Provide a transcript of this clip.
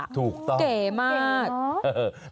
ถูกต้องเก่มาม่ะโอ้เห้อเหาะ